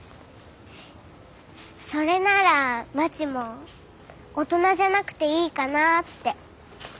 それならまちも大人じゃなくていいかなって。